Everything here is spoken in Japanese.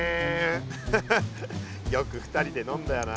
フフよく２人で飲んだよな。